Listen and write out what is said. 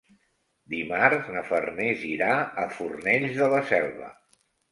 Dimarts na Farners irà a Fornells de la Selva.